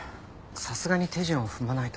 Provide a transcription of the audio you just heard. さすがに手順を踏まないと。